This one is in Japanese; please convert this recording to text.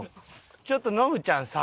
ちょっとノブちゃんさ。